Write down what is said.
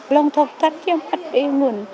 lòng thập thất chứ không bắt đi nguồn